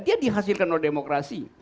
dia dihasilkan oleh demokrasi